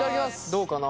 どうかな？